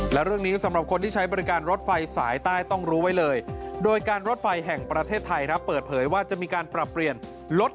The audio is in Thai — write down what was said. และเรื่องนี้สำหรับคนที่ใช้บริการรถไฟสายใต้ต้องรู้ไว้เลยโดยการรถไฟแห่งประเทศไทยครับเปิดเผยว่าจะมีการปรับเปลี่ยนลด